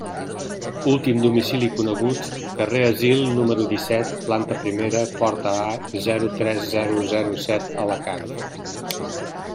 Últim domicili conegut: carrer Asil, número dèsset, planta primera, porta A, zero tres zero zero set, Alacant.